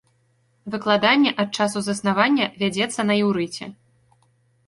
Выкладанне ад часу заснавання вядзецца на іўрыце.